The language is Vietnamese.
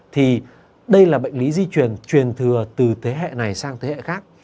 thì đây là bệnh lý di truyền truyền thừa từ thế hệ này sang thế hệ khác